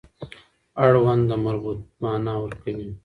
اړوند د مربوط معنا ورکوي.